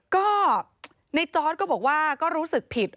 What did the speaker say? ก็ในจอร์ดก็บอกว่าก็รู้สึกผิด